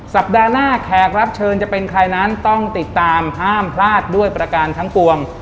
สัปดาห์หน้าแขกรับเชิญจะเป็นใครนั้นต้องติดตามห้ามพลาดด้วยประการทั้งปวง